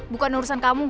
bukan urusan kamu